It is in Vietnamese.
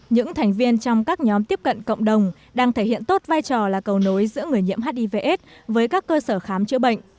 những thành viên trong các nhóm tiếp cận cộng đồng đang thể hiện tốt vai trò là cầu nối giữa người nhiễm hivs với các cơ sở khám chữa bệnh